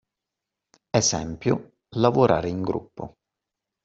Esempio: lavorare in gruppo